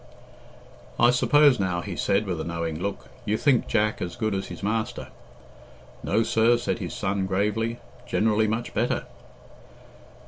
"I suppose now," he said, with a knowing look, "you think Jack as good as his master?" "No, sir," said his son gravely; "generally much better."